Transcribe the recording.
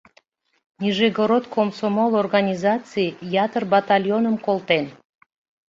Нижегород комсомол организаций ятыр батальоным колтен.